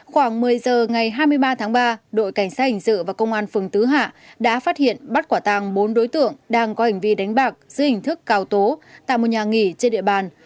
khoảng một mươi giờ ngày hai mươi ba tháng ba đội cảnh sát hình sự và công an phường tứ hạ đã phát hiện bắt quả tàng bốn đối tượng đang có hành vi đánh bạc dưới hình thức cào tố tại một nhà nghỉ trên địa bàn